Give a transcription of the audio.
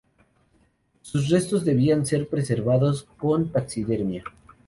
Sus restos debían ser preservados con taxidermia.